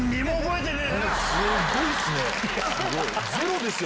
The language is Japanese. すごいっすね。